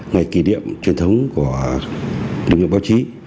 ngày kỷ niệm truyền thống của lực lượng báo chí